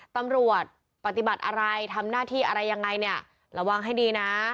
ตำรวจปฏิบัติอะไรทำหน้าที่อะไรยังไงเนี่ยระวังให้ดีนะ